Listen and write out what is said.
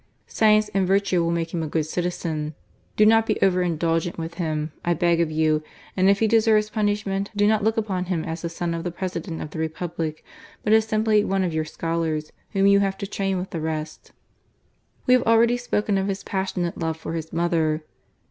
Science and virtue will make him a good citizen. Do not be over indulgent with him, I beg of you, and if he deserves punishment, do not look upon him as the son of the President of the Republic, i 166 GARCIA MORENO. but as simply one of your scholars whom jou have to train with the rest." We have already spoken of his passionate love for his mother.